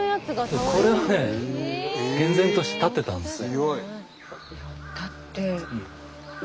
これはね厳然として立ってたんですね。